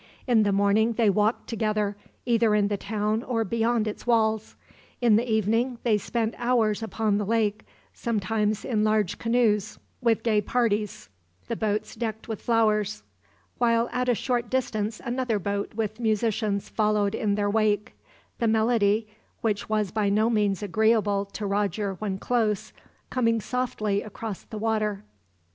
In the morning they walked together, either in the town or beyond its walls. In the evening they spent hours upon the lake, sometimes in large canoes with gay parties, the boats decked with flowers; while at a short distance another boat with musicians followed in their wake, the melody, which was by no means agreeable to Roger when close, coming softly across the water.